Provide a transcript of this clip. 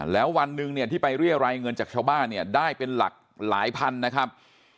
แล้ววันหนึ่งเนี่ยที่ไปเรียรายเงินจากชาวบ้านเนี่ยได้เป็นหลักหลายพันนะครับ